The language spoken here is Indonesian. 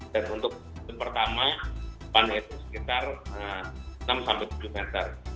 dan untuk pertama depan itu sekitar enam sampai tujuh meter